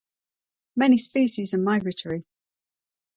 Many species are migratory.